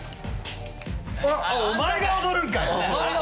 お前が踊るんかい！